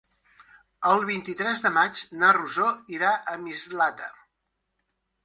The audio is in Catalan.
El vint-i-tres de maig na Rosó irà a Mislata.